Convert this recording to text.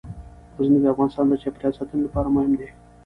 غزني د افغانستان د چاپیریال ساتنې لپاره مهم دي.